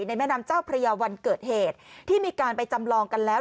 แม่น้ำเจ้าพระยาวันเกิดเหตุที่มีการไปจำลองกันแล้ว